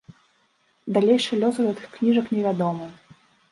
Далейшы лёс гэтых кніжак невядомы.